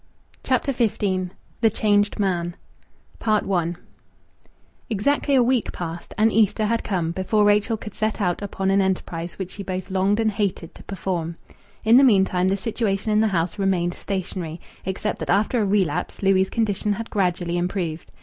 CHAPTER XV THE CHANGED MAN I Exactly a week passed, and Easter had come, before Rachel could set out upon an enterprise which she both longed and hated to perform. In the meantime the situation in the house remained stationary, except that after a relapse Louis' condition had gradually improved.